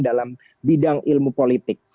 dalam bidang ilmu politik